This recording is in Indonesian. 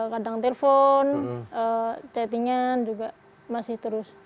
kadang telepon chatting nya juga masih terus